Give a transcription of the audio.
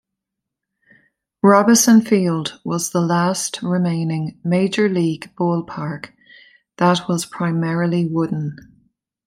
Robison Field was the last remaining major league ballpark that was primarily wooden.